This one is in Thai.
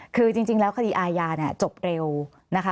คือจริงแล้วคดีอาญาเนี่ยจบเร็วนะคะ